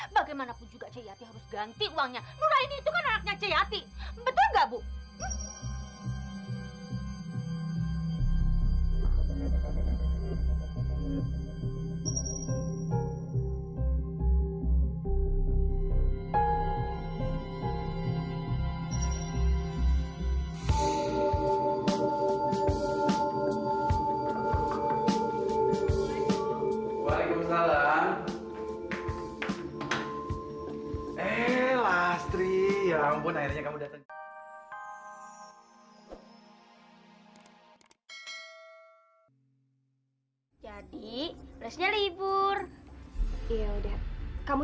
bagaimanapun juga ciyati harus ganti uangnya nuraini itu kan anaknya ciyati betul gak bu